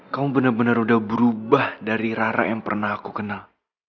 kamu benar benar udah berubah dari rara yang pernah aku kenal